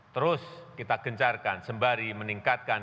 terus kita gencarkan sembari meningkatkan